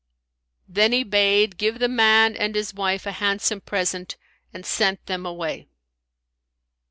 Then he bade give the man and his wife a handsome present and sent them away.